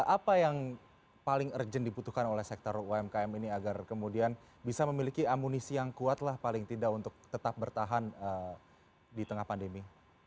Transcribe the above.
apa yang paling urgent dibutuhkan oleh sektor umkm ini agar kemudian bisa memiliki amunisi yang kuat lah paling tidak untuk tetap bertahan di tengah pandemi